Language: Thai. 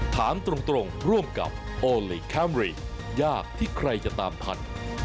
ถามตรงร่วมกับโอลี่คัมรี่ยากที่ใครจะตามทัน